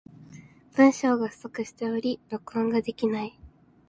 文章が不足しており、録音ができない。